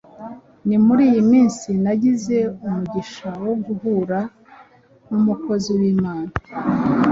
Ni muri iyi minsi nagize umugisha wo guhura n’umukozi w’Imana